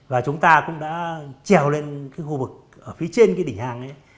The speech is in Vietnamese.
và chúng ta cũng đã trèo lên khu vực ở phía trên cái đỉnh hàng đấy